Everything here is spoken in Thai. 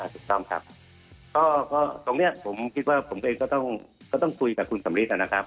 ถูกต้องครับก็ตรงนี้ผมคิดว่าผมเองก็ต้องคุยกับคุณสำริทนะครับ